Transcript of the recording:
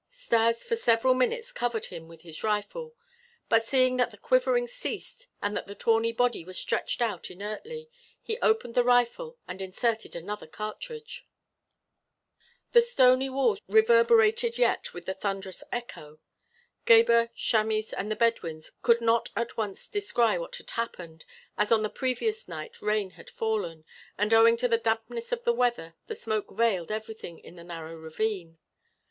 Stas for several minutes covered him with his rifle, but seeing that the quivering ceased and that the tawny body was stretched out inertly, he opened the rifle and inserted another cartridge. The stony walls reverberated yet with the thunderous echo. Gebhr, Chamis, and the Bedouins could not at once descry what had happened, as on the previous night rain had fallen, and owing to the dampness of the weather the smoke veiled everything in the narrow ravine.